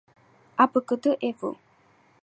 აბგდევ